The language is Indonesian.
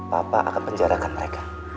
pak akan penjarakan mereka